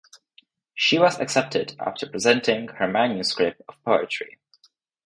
She was accepted after presenting her manuscript of poetry.